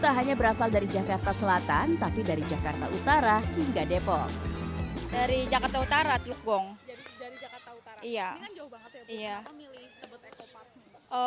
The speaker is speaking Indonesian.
tak hanya berasal dari jakarta selatan tapi dari jakarta utara hingga depok dari jakarta utara